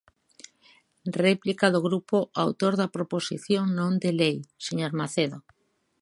Réplica do grupo autor da proposición non de lei, señor Macedo.